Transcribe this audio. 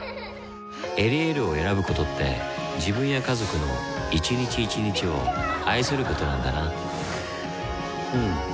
「エリエール」を選ぶことって自分や家族の一日一日を愛することなんだなうん。